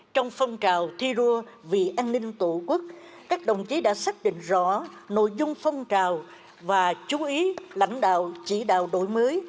trong phong trào thi đua vì an ninh tổ quốc các đồng chí đã xác định rõ nội dung phong trào và chú ý lãnh đạo chỉ đạo đổi mới